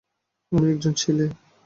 আমি একজন ছেলে।